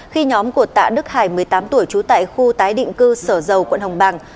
khi nhóm của tạ đức hải một mươi tám tuổi trú tại khu tái định cư sở dầu quận hồng bàng